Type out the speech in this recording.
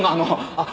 あっ。